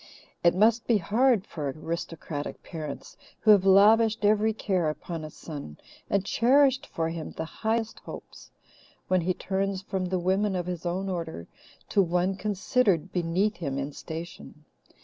It must be hard for aristocratic parents who have lavished every care upon a son, and cherished for him the highest hopes, when he turns from the women of his own order to one considered beneath him in station.